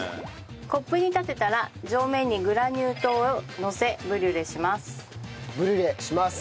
コップに立てたら上面にグラニュー糖をのせブリュレします。